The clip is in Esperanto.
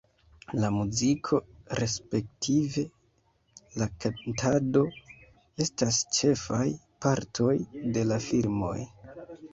La muziko, respektive la kantado estas ĉefaj partoj de la filmoj.